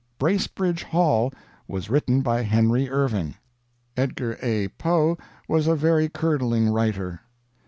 "'Bracebridge Hall' was written by Henry Irving. "Edgar A. Poe was a very curdling writer.